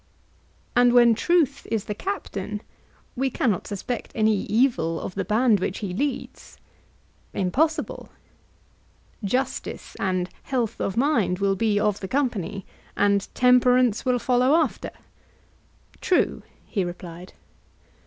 And when truth is the captain, we cannot suspect any evil of the band which he leads? Impossible. Justice and health of mind will be of the company, and temperance will follow after? True, he replied.